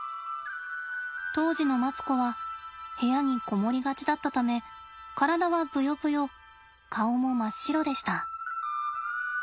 当時のマツコは部屋に籠もりがちだったため体はぶよぶよ顔も真っ白でした。